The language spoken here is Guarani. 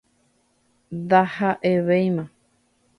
Ndaha'evéima